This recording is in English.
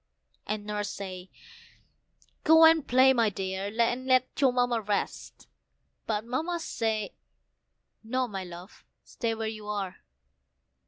And Nurse said, "Go and play, my dear, and let your Mamma rest;" but Mamma said, "No, my love, stay where you are.